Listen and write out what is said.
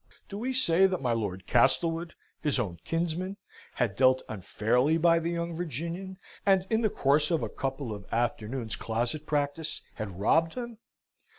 Do we say that my Lord Castlewood, his own kinsman, had dealt unfairly by the young Virginian, and in the course of a couple of afternoons' closet practice had robbed him?